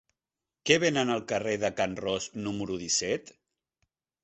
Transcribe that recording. Què venen al carrer de Can Ros número disset?